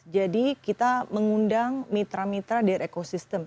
jadi kita mengundang mitra mitra dari ekosistem